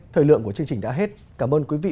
thời lượng của chương trình đã hết cảm ơn quý vị